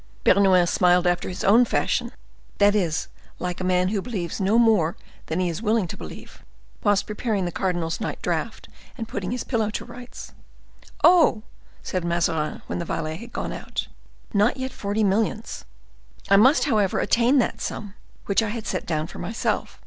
Bernouin smiled after his own fashion—that is, like a man who believes no more than he is willing to believe—whilst preparing the cardinal's night draught, and putting his pillow to rights. "Oh!" said Mazarin, when the valet had gone out; "not yet forty millions! I must, however, attain that sum, which I had set down for myself.